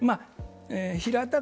平たく